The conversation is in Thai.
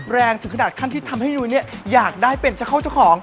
แรงถึงขนาดขั้นที่ทำให้ยุ้ยเนี่ยอยากได้เป็นเจ้าเข้าเจ้าของ